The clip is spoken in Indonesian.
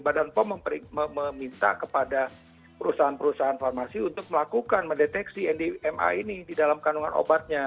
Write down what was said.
badan pom meminta kepada perusahaan perusahaan farmasi untuk melakukan mendeteksi ndma ini di dalam kandungan obatnya